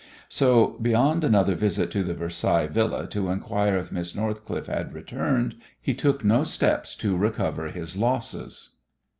So beyond another visit to the Versailles Villa to inquire if Miss Northcliffe had returned he took no steps to recover his losses.